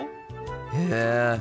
へえ。